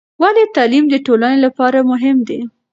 ولې تعلیم د ټولنې لپاره مهم دی؟